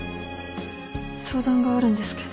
相談があるんですけど